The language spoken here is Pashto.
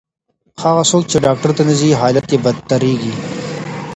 هغه څوک چې ډاکټر ته نه ځي، حالت یې بدتریږي.